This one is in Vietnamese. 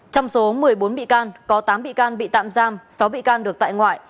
trong số một mươi bốn bị can có tám bị can bị tạm giam sáu bị can được tại ngoại